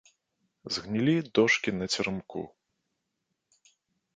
Згнілі дошкі на церамку.